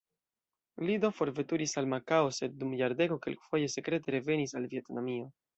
Li do forveturis al Makao, sed dum jardeko kelkfoje sekrete revenis al Vjetnamio.